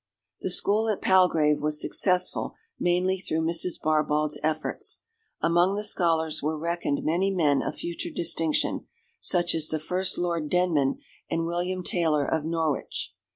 The school at Palgrave was successful mainly through Mrs. Barbauld's efforts; among the scholars were reckoned many men of future distinction, such as the first Lord Denman and William Taylor of Norwich.